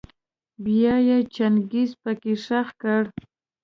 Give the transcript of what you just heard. بيا يې چنګېز پکي خښ کړ.